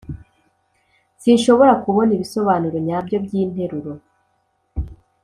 sinshobora kubona ibisobanuro nyabyo byinteruro